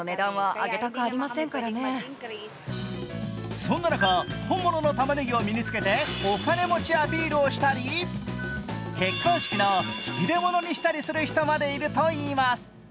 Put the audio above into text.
そんな中、本物のたまねぎを身に着けてお金持ちアピールをしたり結婚式の引き出物にしたりする人までいるといいます。